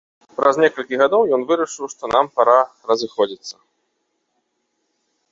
Праз некалькі гадоў ён вырашыў, што нам пара разыходзіцца.